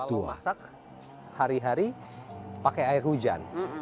jadi kalau masak hari hari pakai air hujan